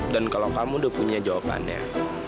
dan kalau kamu udah punya jawabannya